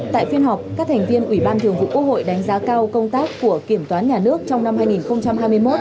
tại phiên họp các thành viên ủy ban thường vụ quốc hội đánh giá cao công tác của kiểm toán nhà nước trong năm hai nghìn hai mươi một